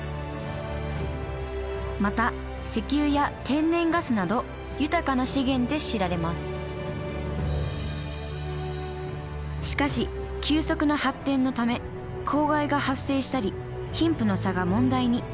また石油や天然ガスなど豊かな資源で知られますしかし急速な発展のため公害が発生したり貧富の差が問題に。